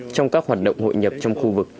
trong các hoạt động hội nhập trong khu vực